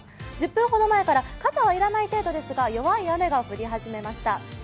１０分ほど前から、傘は要らない程度ですが、弱い雨が降り始めました。